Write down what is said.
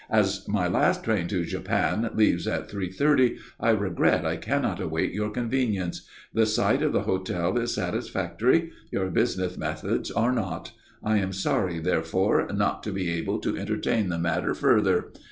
As my last train to Japan leaves at three thirty, I regret I cannot await your convenience. The site of the hotel is satisfactory. Your business methods are not. I am sorry, therefore, not to be able to entertain the matter further.